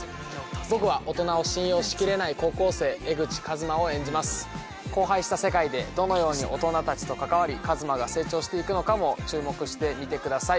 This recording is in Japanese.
僕は大人を信用しきれない高校生江口和真を演じます荒廃した世界でどのように大人たちと関わり和真が成長していくのかも注目して見てください